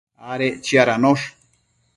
adec chiadanosh